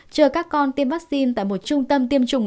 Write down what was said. chờ các con tiêm vaccine tại một trung tâm tiêm chủng